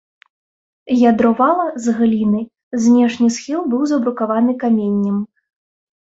Ядро вала з гліны, знешні схіл быў забрукаваны каменнем.